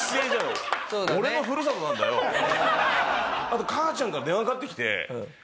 あと母ちゃんから電話かかってきて。